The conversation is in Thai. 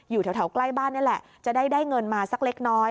อยู่แถวใกล้บ้านนี่แหละจะได้เงินมาสักเล็กน้อย